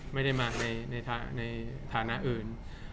ไม่ได้มาในฐานะอื่น